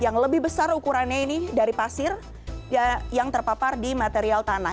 yang lebih besar ukurannya ini dari pasir yang terpapar di material tanah